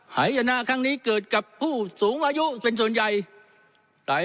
หายนะครั้งนี้เกิดกับผู้สูงอายุเป็นส่วนใหญ่หลาย